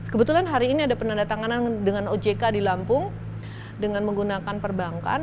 kebetulan hari ini ada penandatanganan dengan ojk di lampung dengan menggunakan perbankan